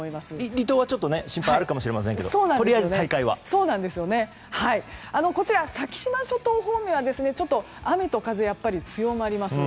離島は心配があるかもしれませんが先島諸島方面は雨と風が強まります。